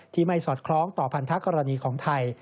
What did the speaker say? ไม่สอดคล้องต่อพันธกรณีของไทย